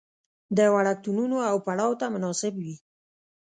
د وړکتونونو او پړاو ته مناسب وي.